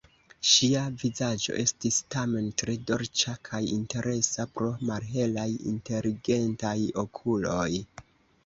Ŝia vizaĝo estis tamen tre dolĉa kaj interesa pro malhelaj, inteligentaj okuloj.